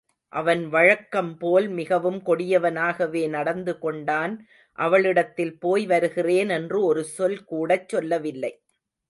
அவன் வழக்கம்போல் மிகவும் கொடியவனாகவே நடந்து கொண்டான் அவளிடத்தில் போய் வருகிறேன் என்று ஒரு சொல்கூடச் சொல்லவில்லை.